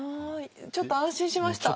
ちょっと安心しました。